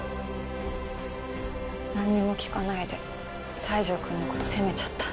なんにも聞かないで西条くんの事責めちゃった。